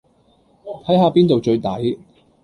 睇吓邊度最抵